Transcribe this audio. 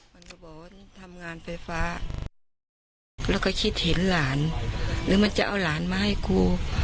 มันก็บอกว่าต้องทำงานไฟฟ้าแล้วก็คิดเห็นหลานหรือมันจะเอาหลานมาให้ครู